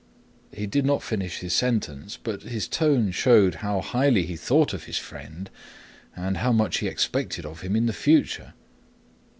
He did not finish his sentence, but his tone showed how highly he thought of his friend and how much he expected of him in the future.